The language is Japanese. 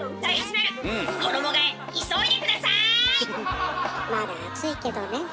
まだ暑いけどね。